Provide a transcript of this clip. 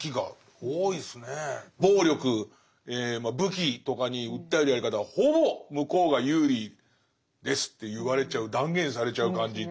暴力武器とかに訴えるやり方はほぼ向こうが有利ですって言われちゃう断言されちゃう感じっていう。